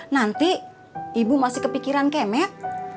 nanti ibu masih kepikiran kemek